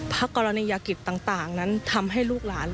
กรณียกิจต่างนั้นทำให้ลูกหลาน